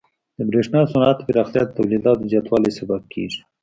د برېښنا صنعت پراختیا د تولیداتو زیاتوالي سبب کیږي.